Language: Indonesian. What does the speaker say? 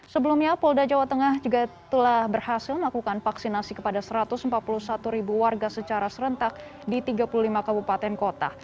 sebelumnya polda jawa tengah juga telah berhasil melakukan vaksinasi kepada satu ratus empat puluh satu ribu warga secara serentak di tiga puluh lima kabupaten kota